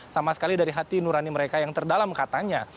sama sekali dari hati nurani mereka yang terdalam katanya